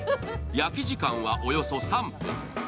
焼き時間はおよそ３分。